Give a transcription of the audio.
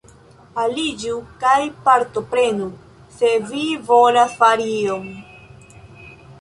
Aliĝu kaj partoprenu, se vi volas fari ion.